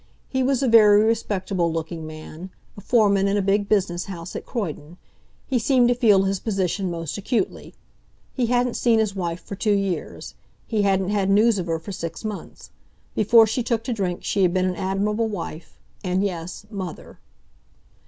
He was a very respectable looking man, a foreman in a big business house at Croydon. He seemed to feel his position most acutely. He hadn't seen his wife for two years; he hadn't had news of her for six months. Before she took to drink she had been an admirable wife, and—and yes, mother.